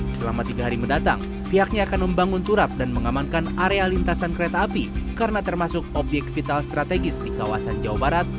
selama tiga hari mendatang pihaknya akan membangun turap dan mengamankan area lintasan kereta api karena termasuk obyek vital strategis di kawasan jawa barat